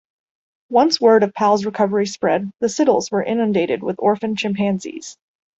Once word of Pal's recovery spread, the Siddle's were inundated with orphaned chimpanzees.